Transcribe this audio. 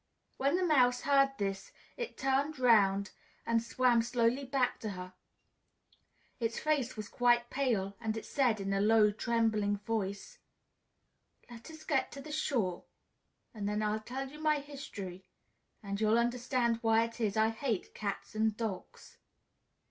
When the Mouse heard this, it turned 'round and swam slowly back to her; its face was quite pale, and it said, in a low, trembling voice, "Let us get to the shore and then I'll tell you my history and you'll understand why it is I hate cats and dogs."